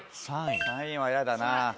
３位はやだな。